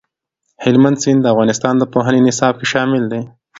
هلمند سیند د افغانستان د پوهنې نصاب کې شامل دي.